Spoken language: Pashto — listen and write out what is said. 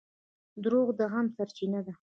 • دروغ د غم سرچینه ده.